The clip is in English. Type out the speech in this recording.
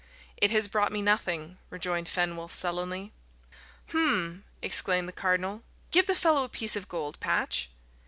"It has brought me nothing," rejoined Fenwolf sullenly. "Hum!" exclaimed the cardinal. "Give the fellow a piece of gold, Patch."